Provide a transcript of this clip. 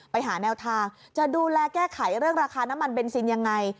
ไปหาแนวทางจะดูแลแก้ไขเรื่องราคาน้ำมันเบนซินยังไง